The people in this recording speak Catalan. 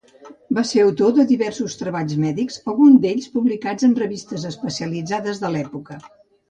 Va ser autor de diversos treballs mèdics, alguns d'ells publicats en revistes especialitzades de l'època.